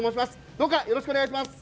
どうかよろしくお願いします。